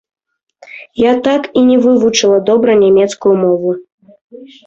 Я так і не вывучыла добра нямецкую мову.